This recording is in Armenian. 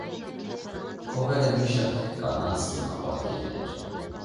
Թողել է մի շարք կանանց դիմապատկերներ։